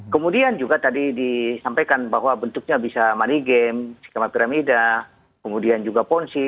kemudian juga tadi disampaikan bahwa bentuknya bisa money game kemudian juga ponsi